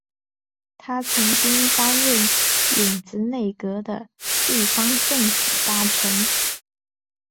他曾经担任影子内阁的地方政府大臣。